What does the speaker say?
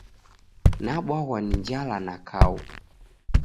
Nabwaghwa ni njala na kau